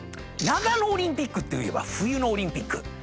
長野オリンピックといえば冬のオリンピック。